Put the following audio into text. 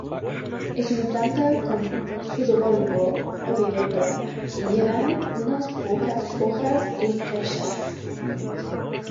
Es una planta con pseudobulbo ovoide que llevan unas pocas hojas estrechas.